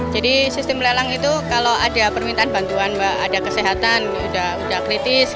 jadi sistem melelang itu kalau ada permintaan bantuan ada kesehatan udah kritis